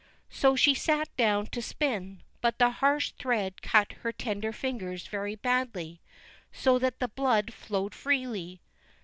So she sat down to spin, but the harsh thread cut her tender fingers very badly, so that the blood flowed freely.